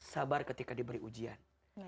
sabar ketika diberi ujian